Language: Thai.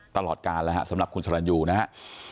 ตลอดการแล้วฮะสำหรับคุณสรรยูนะฮะ